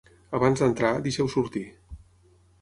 Abans d'entrar, deixeu sortir.